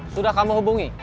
sudah kamu hubungi